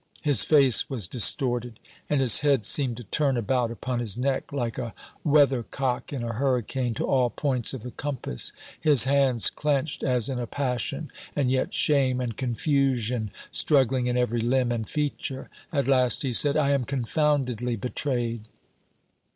His face was distorted, and his head seemed to turn about upon his neck, like a weather cock in a hurricane, to all points of the compass; his hands clenched as in a passion, and yet shame and confusion struggling in every limb and feature. At last he said, "I am confoundedly betrayed.